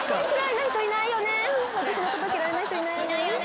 私のこと嫌いな人いないよね？